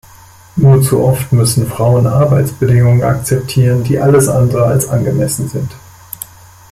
Nur zu oft müssen Frauen Arbeitsbedingungen akzeptieren, die alles andere als angemessen sind.